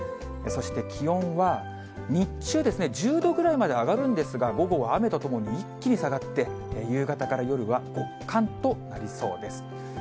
そして気温は、日中ですね、１０度ぐらいまで上がるんですが、午後は雨とともに一気に下がって、夕方から夜は極寒となりそうです。